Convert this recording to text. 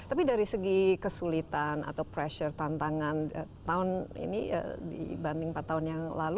tapi dari segi kesulitan atau pressure tantangan tahun ini dibanding empat tahun yang lalu